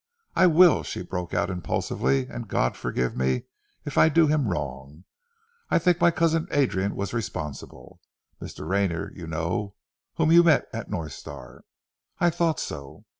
"I will," she broke out impulsively, "and God forgive me if I do him wrong! I think my cousin Adrian was responsible Mr. Rayner, you know, whom you met at North Star." "I thought so."